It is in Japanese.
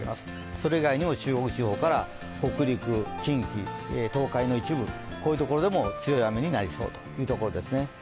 それ以外にも中国地方から北陸、近畿、東海の一部、こういうところでも強い雨になりそうというところですね。